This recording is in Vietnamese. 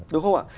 đúng không ạ